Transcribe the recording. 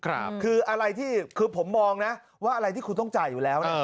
คือผมมองนะว่าอะไรที่คุณต้องจ่ายอยู่แล้ว